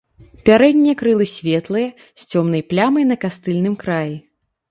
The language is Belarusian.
Пярэднія крылы светлыя, з цёмнай плямай на кастыльным краі.